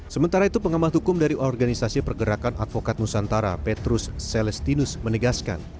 sementara itu pengamat hukum dari organisasi pergerakan advokat nusantara petrus celestinus menegaskan